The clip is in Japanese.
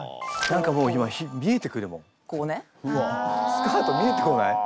スカート見えてこない？